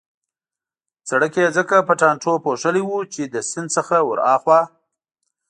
سړک يې ځکه په ټانټو پوښلی وو چې له سیند څخه ورهاخوا.